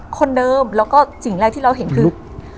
คนเดิมแล้วก็สิ่งแรกที่เราเห็นคือ